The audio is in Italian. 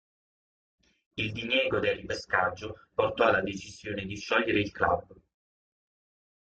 Il diniego del ripescaggio portò alla decisione di sciogliere il club